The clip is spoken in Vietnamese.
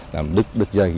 làm đứt dây